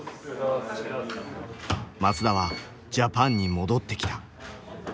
松田はジャパンに戻ってきた。